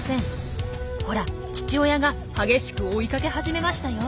ほら父親が激しく追いかけ始めましたよ。